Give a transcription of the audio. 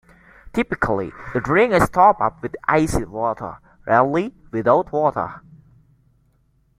Typically the drink is topped up with iced water, rarely without water.